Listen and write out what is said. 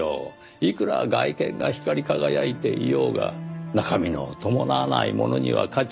いくら外見が光り輝いていようが中身の伴わないものには価値はない。